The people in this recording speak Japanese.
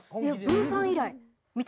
ブーさん以来。